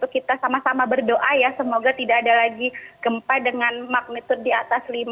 kita sama sama berdoa ya semoga tidak ada lagi gempa dengan magnitud di atas lima